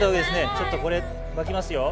ちょっとこれ巻きますよ。